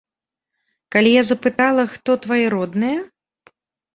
Калі я запытала, хто твае родныя?